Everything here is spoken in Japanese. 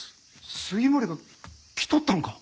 杉森が来とったんか？